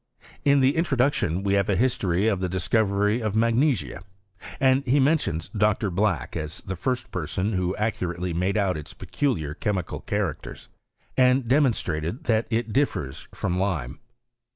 In the introduc tion we have a history of the discovery of magnesia, and he mentions Dr. Black as the person who first accurately made out its peculiar chemical characters, and demonstrated that it differs from lime.